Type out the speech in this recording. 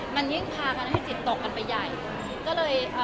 มันยิ่งพากันให้จิตตกกันไปใหญ่